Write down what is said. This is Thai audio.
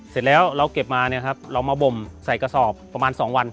เสร็จแล้วเราเก็บมาเนี่ยครับเรามาบ่มใส่กระสอบประมาณ๒วัน